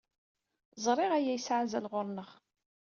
Ẓriɣ aya yesɛa azal ɣur-neɣ.